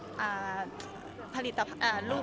ภาคภาคอ่าลูก